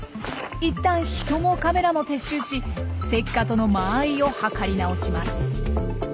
いったん人もカメラも撤収しセッカとの間合いを計り直します。